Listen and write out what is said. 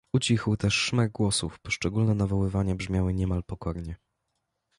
Ucichł też szmer głosów, poszczególne nawoływania brzmiały niemal pokornie.